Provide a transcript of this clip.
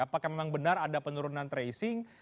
apakah memang benar ada penurunan tracing